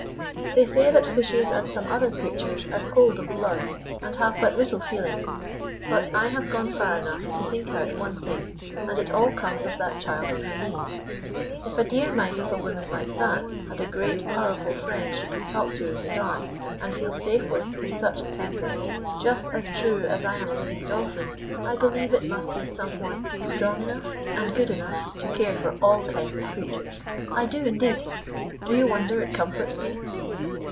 They say that fishes and some other creatures are cold of blood and have but little feeling. But I have gone far enough to think out one thing, and it all comes of that child on her knees: if a dear mite of a woman like that had a great, powerful Friend she could talk to in the dark, and feel safe with in such a tempest, just as true as I am a living Dolphin, I believe it must be some One strong enough and good enough to care for all kinds of creatures. I do, indeed! Do you wonder it comforts me?